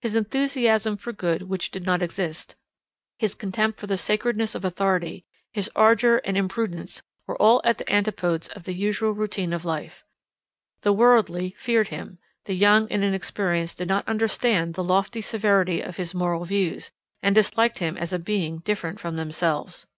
His enthusiasm for good which did not exist; his contempt for the sacredness of authority; his ardour and imprudence were all at the antipodes of the usual routine of life; the worldly feared him; the young and inexperienced did not understand the lofty severity of his moral views, and disliked him as a being different from themselves.